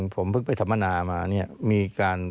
ผมเพิ่งไปสัมมนามาเนี่ยมีการ